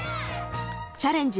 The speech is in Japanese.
「チャレンジ！